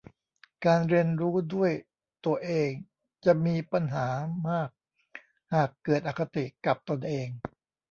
การเรียนรู้ด้วยตัวเองจะมีปัญหามากหากเกิดอคติกับตนเอง